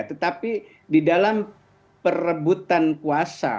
tetapi di dalam perebutan kuasa